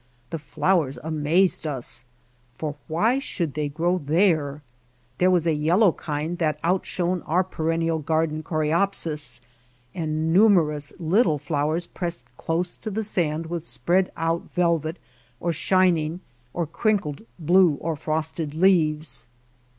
The flowers amazed us, for why should they grow there? There was a yellow kind that outshone our perennial garden coreopsis, and numberless little flowers pressed close to the sand with spread out velvet, or shining, or crinkled blue or frosted leaves.